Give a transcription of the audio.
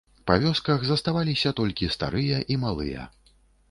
Па вёсках заставаліся толькі старыя і малыя.